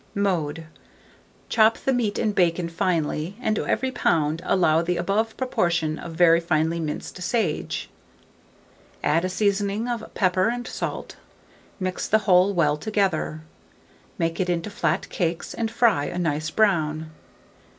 Mode. Chop the meat and bacon finely, and to every lb. allow the above proportion of very finely minced sage; add a seasoning of pepper and salt, mix the whole well together, make it into flat cakes, and fry a nice brown.